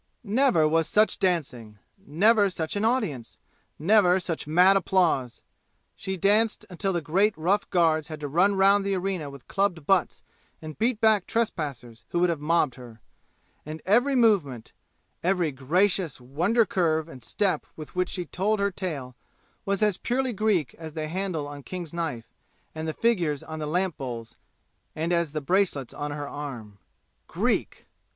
Never was such dancing! Never such an audience! Never such mad applause! She danced until the great rough guards had to run round the arena with clubbed butts and beat back trespassers who would have mobbed her. And every movement every gracious wonder curve and step with which she told her tale was as purely Greek as the handle on King's knife and the figures on the lamp bowls and as the bracelets on her arm. Greek!